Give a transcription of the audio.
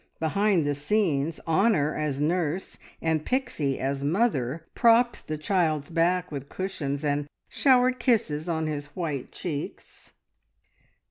Behind the scenes Honor as nurse and Pixie as mother propped the child's back with cushions, and showered kisses on his white cheeks.